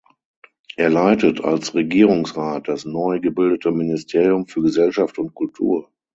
Er leitet als Regierungsrat das neu gebildete Ministerium für Gesellschaft und Kultur.